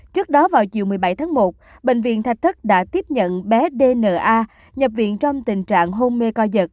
trước đó vào chiều một mươi bảy tháng một bệnh viện thạch thất đã tiếp nhận bé dna nhập viện trong tình trạng hôn mê co giật